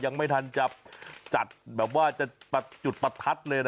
ยังไม่ทันจะจัดแบบว่าจะจุดประทัดเลยนะ